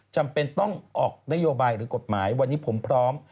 จำเป็นต้องออกนโยบายหรือกฎหมายวันนี้ผมพร้อม